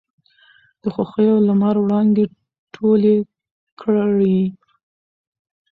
د خـوښـيو لمـر وړانـګې تـولې کـړې.